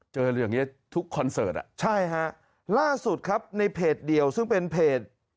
เจออย่างนี้ทุกคอนเสิร์ตอ่ะใช่ฮะล่าสุดครับในเพจเดียวซึ่งเป็นเพจ